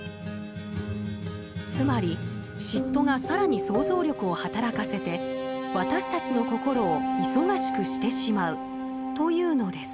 つまり嫉妬が更に想像力を働かせて私たちの心を忙しくしてしまうというのです。